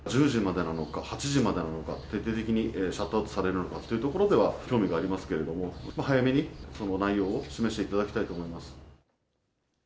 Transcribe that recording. １０時までなのか、８時までなのか、徹底的にシャットアウトされるのかというところは興味がありますけれども、早めにその内容を示していただきたいと思います。